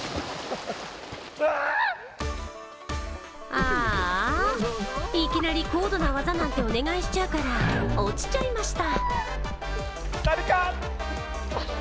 ああ、いきなり高度な技なんでお願いしちゃうから落ちちゃいました。